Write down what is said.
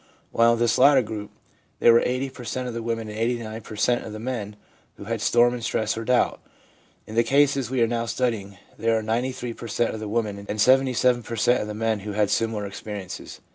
While in this latter group there were 80 per cent, of the women and 89 per cent, of the men who had storm and stress or doubt, in the cases we are now studying there are 93 per cent, of the women and J J per cent, of the men who had similar experiences.